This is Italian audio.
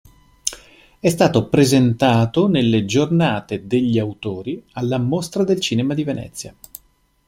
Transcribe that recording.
È stato presentato nelle Giornate degli autori alla Mostra del Cinema di Venezia.